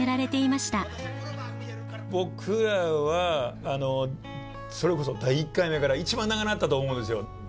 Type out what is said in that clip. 僕らはそれこそ第１回目から一番長なったと思うんですよ。